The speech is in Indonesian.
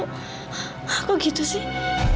kok gitu sih